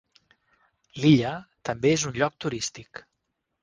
L'illa també és un lloc turístic.